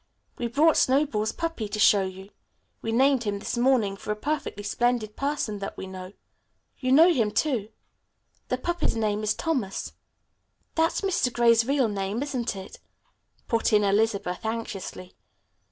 "We brought Snowball's puppy to show you. We named him this morning for a perfectly splendid person that we know. You know him, too. The puppy's name is Thomas." "That's Mr. Gray's real name, isn't it?" put in Elizabeth anxiously.